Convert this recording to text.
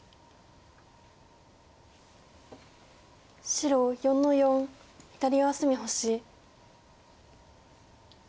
白４の四左上隅星。